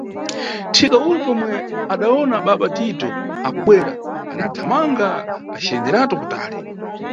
Thika ule, pomwe adawona baba Tito akubwera, adathamanga aciyenderatu kutali.